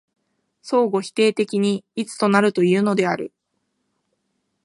相互否定的に一となるというのである。